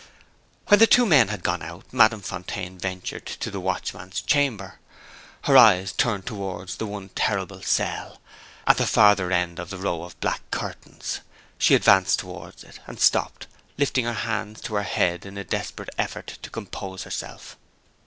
When the two men had gone out, Madame Fontaine ventured into the Watchman's Chamber. Her eyes turned towards the one terrible cell, at the farther end of the row of black curtains. She advanced towards it; and stopped, lifting her hands to her head in the desperate effort to compose herself.